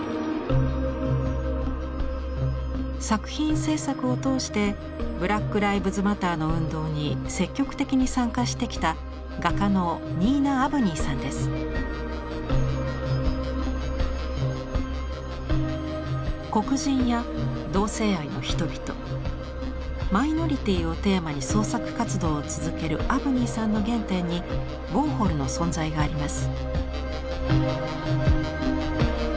作品制作を通してブラック・ライブズ・マターの運動に積極的に参加してきた黒人や同性愛の人々マイノリティーをテーマに創作活動を続けるアブニーさんの原点にウォーホルの存在があります。